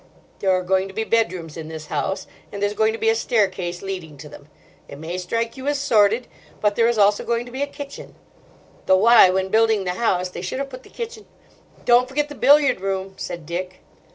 There are going to be bedrooms in this house, and there's going to be a staircase leading to them. It may strike you as sordid, but there is also going to be a kitchen: though why when building the house they should have put the kitchen— "Don't forget the billiard room," said Dick.